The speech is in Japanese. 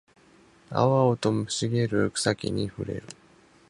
青々と茂る草木に触れる